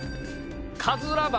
かずら橋。